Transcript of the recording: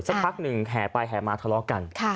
สักพักหนึ่งแห่ไปแห่มาทะเลาะกัน